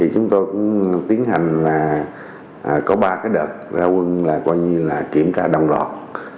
chúng tôi tiến hành có ba đợt ra quân là kiểm tra đồng lọt